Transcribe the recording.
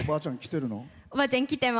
おばあちゃん来てる？